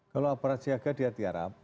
kalau aparat siaga dia tiarap